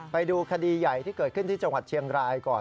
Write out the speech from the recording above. ไปดูคดีใหญ่ที่เกิดขึ้นที่จังหวัดเชียงรายก่อน